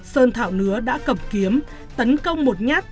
sơn thảo nứa đã cập kiếm tấn công một nhát chí máy